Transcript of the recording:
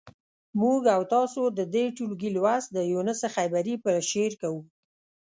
موږ او تاسو د دې ټولګي لوست د یونس خیبري په شعر کوو.